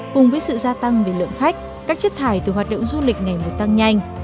cùng với sự gia tăng về lượng khách các chất thải từ hoạt động du lịch ngày một tăng nhanh